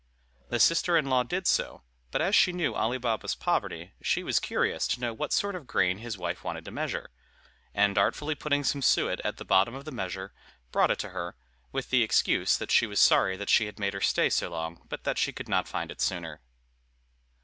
The sister in law did so, but as she knew Ali Baba's poverty, she was curious to know what sort of grain his wife wanted to measure, and, artfully putting some suet at the bottom of the measure, brought it to her, with the excuse that she was sorry that she had made her stay so long, but that she could not find it sooner.